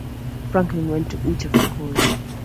Franklin went to Utah for college.